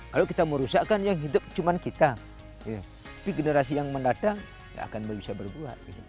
kalau kita merusak kan yang hidup cuma kita tapi generasi yang mendatang nggak akan bisa berbuat